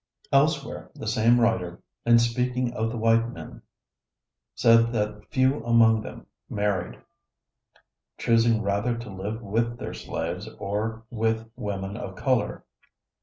" Elsewhere the same writer, in speaking of the white men, said that few among them married, choosing rather to live with their slaves or with women of color.